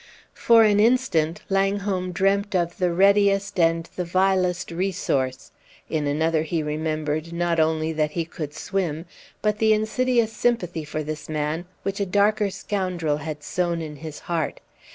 For an instant Langholm dreamt of the readiest and the vilest resource; in another he remembered, not only that he could swim, but the insidious sympathy for this man which a darker scoundrel had sown in his heart.